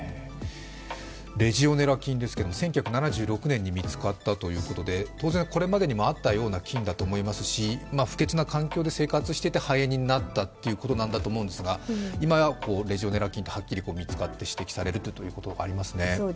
レジオネラ菌ですけど１９７６年に見つかったということで当然これまでにもあったような菌だと思いますし、不潔な環境で生活していて肺炎になったということなんだと思うんですが、いまはレジオネラ菌とはっきり見つかって指摘されたということがありますね。